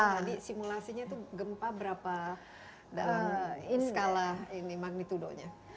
jadi simulasinya itu gempa berapa dalam skala ini magnitudenya